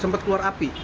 sempat keluar api